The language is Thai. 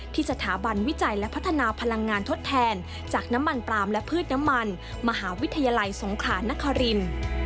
สถาบันวิจัยและพัฒนาพลังงานทดแทนจากน้ำมันปลามและพืชน้ำมันมหาวิทยาลัยสงขรานครินทร์